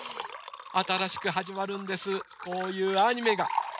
あたらしくはじまるんですこういうアニメが。